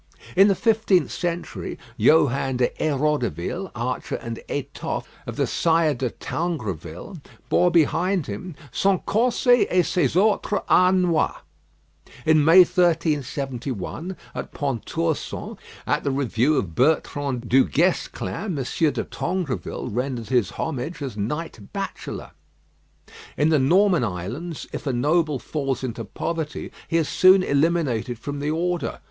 In the fifteenth century, Johan de Héroudeville, archer and étoffe of the Sire de Tangroville, bore behind him "son corset et ses autres harnois." In May, 1371, at Pontorson, at the review of Bertrand du Guesclin, Monsieur de Tangroville rendered his homage as Knight Bachelor. In the Norman islands, if a noble falls into poverty, he is soon eliminated from the order.